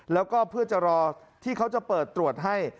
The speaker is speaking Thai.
แล้วก็เพื่อจะรอที่เขาจะเปิดตรวจให้